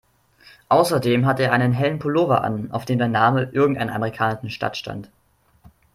Außerdem hatte er einen hellen Pullover an, auf dem der Name irgendeiner amerikanischen Stadt stand.